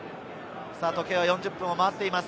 時計は４０分を回っています。